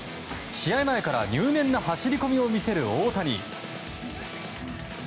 試合前から入念な走り込みを見せる大谷。